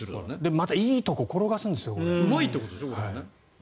またいいところに転がるんですよ。